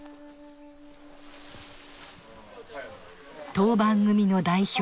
当番組の代表